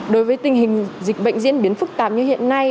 đối với tình hình dịch bệnh diễn biến phức tạp như hiện nay